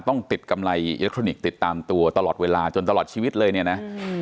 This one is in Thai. ต้องติดกำไรอิเล็กทรอนิกส์ติดตามตัวตลอดเวลาจนตลอดชีวิตเลยเนี่ยนะอืม